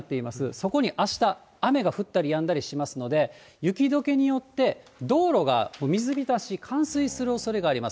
そこにあした、雨が降ったりやんだりしますので、雪どけによって、道路が水浸し、冠水するおそれがあります。